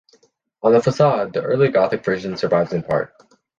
On the facade, the early gothic version survives in part.